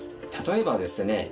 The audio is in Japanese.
例えばですね